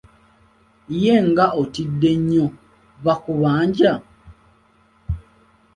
Ye nga otidde nnyo, bakubanja?